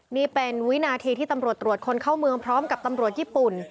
นี่เป็นวินาทีที่ตำรวจตรวจคนเข้าเมืองพร้อมกับตำรวจญี่ปุ่น